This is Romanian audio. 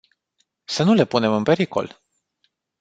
Să nu le punem în pericol!